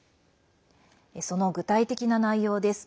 その具体的な内容です。